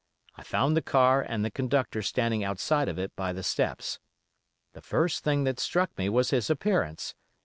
I found the car and the conductor standing outside of it by the steps. The first thing that struck me was his appearance.